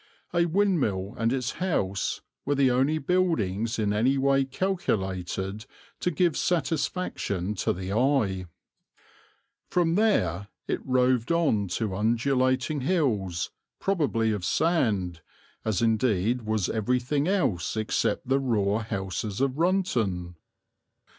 A windmill and its house were the only buildings in any way calculated to give satisfaction to the eye. From there it roved on to undulating hills, probably of sand, as indeed was everything else except the raw houses of Runton.